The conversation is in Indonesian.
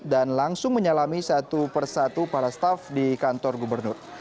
dan langsung menyelami satu persatu para staff di kantor gubernur